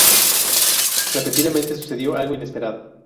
Repentinamente sucedió algo inesperado.